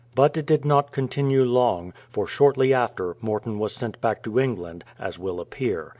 But it did not continue long, for, shortly after, Morton was sent back to England, as will appear.